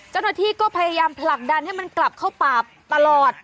เจ้าหน้าที่ก็พยายามผลักดันให้มันกลับเข้าป่าตลอด